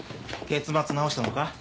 結末直したのか？